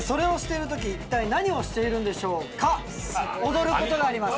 踊ることがあります。